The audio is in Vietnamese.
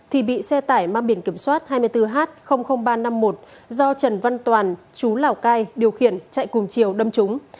thì bị xe tải mang biển kiểm soát hai mươi bốn h ba trăm năm mươi một do trần văn toàn chú lào cai điều khiển chạy cùng chiều đâm trúng